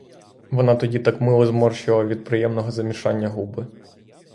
Вона тоді так мило зморщила від приємного замішання губи.